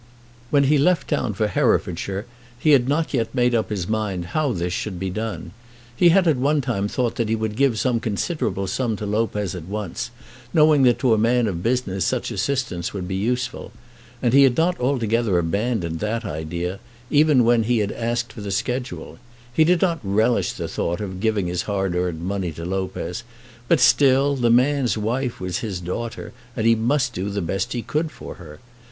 When he left town for Herefordshire he had not yet made up his mind how this should be done. He had at one time thought that he would give some considerable sum to Lopez at once, knowing that to a man in business such assistance would be useful. And he had not altogether abandoned that idea, even when he had asked for the schedule. He did not relish the thought of giving his hard earned money to Lopez, but, still, the man's wife was his daughter, and he must do the best that he could for her.